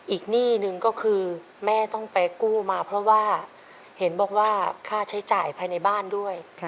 หนี้หนึ่งก็คือแม่ต้องไปกู้มาเพราะว่าเห็นบอกว่าค่าใช้จ่ายภายในบ้านด้วย